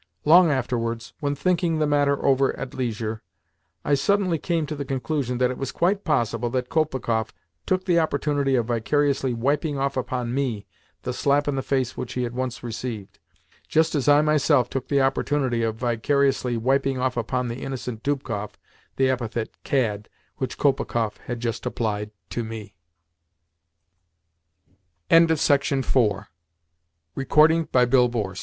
Long afterwards, when thinking the matter over at leisure, I suddenly came to the conclusion that it was quite possible that Kolpikoff took the opportunity of vicariously wiping off upon me the slap in the face which he had once received, just as I myself took the opportunity of vicariously wiping off upon the innocent Dubkoff the epithet "cad" which Kolpikoff had just applied to